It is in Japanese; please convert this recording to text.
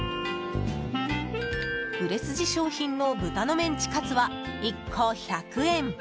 売れ筋商品の豚のメンチカツは１個１００円。